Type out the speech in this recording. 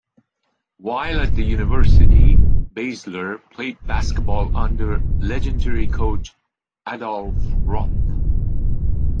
While at the university, Baesler played basketball under legendary coach Adolph Rupp.